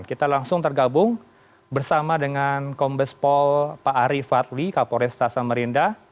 kita langsung tergabung bersama dengan kombes pol pak ari fadli kapolres tasa samarinda